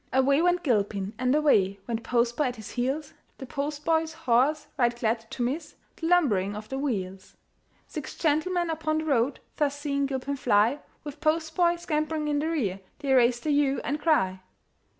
Away went Gilpin, and away Went postboy at his heels, The postboy's horse right glad to miss The lumbering of the wheels. Six gentlemen upon the road, Thus seeing Gilpin fly, With postboy scampering in the rear. They raised the hue and cry.